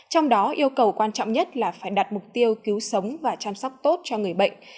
trong đó yêu cầu quan trọng nhất là phải đặt mục tiêu cứu sống và chăm sóc tốt cho người bệnh